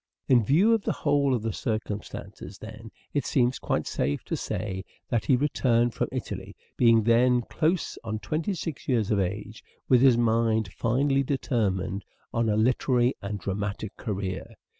In view of the whole of the circumstances, then, it seems quite safe to say that he returned from Italy, being then close on twenty six years of age, with his mind finally deter mined on a literary and dramatic career.